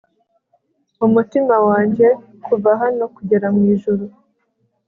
mumutima wanjye kuva hano kugera mwijuru